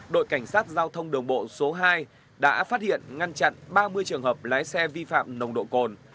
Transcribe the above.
đội cảnh sát giao thông đường bộ số hai đã phát hiện ngăn chặn ba mươi trường hợp lái xe vi phạm nồng độ cồn